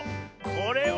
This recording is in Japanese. これは。